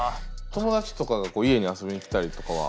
友達とかが家に遊びに来たりとかは？